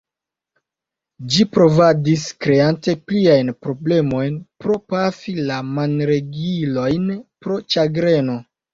Ĝi provadis, kreante pliajn problemojn pro pafi la manregilojn pro ĉagreno.